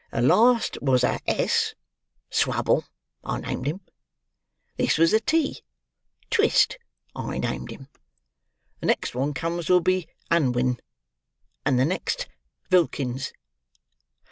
The last was a S,—Swubble, I named him. This was a T,—Twist, I named him. The next one comes will be Unwin, and the next Vilkins.